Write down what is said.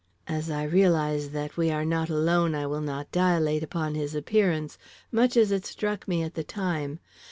"As I realize that we are not alone, I will not dilate upon his appearance, much as it struck me at the time.